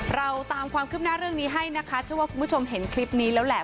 เราตามความคืบหน้าเรื่องนี้ให้นะคะเชื่อว่าคุณผู้ชมเห็นคลิปนี้แล้วแหละ